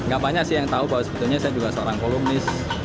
gak banyak sih yang tahu bahwa sebetulnya saya juga seorang kolommis